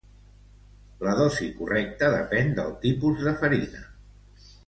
La dosi correcta depén del tipus de farina.